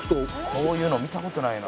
「こういうの見た事ないな」